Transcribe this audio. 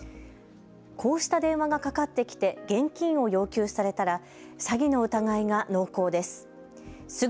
こうした電話がかかってきて現金を要求されたら詐欺の疑いが濃厚です。